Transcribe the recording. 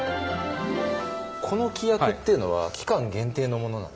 この規約っていうのは期間限定のものなんですか？